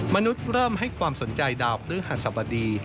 มนุษย์เริ่มให้ความสนใจดาวพฤหัสบดี